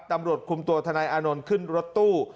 ตำรวจคุมตัวทนายอานนท์ขึ้นรถตู้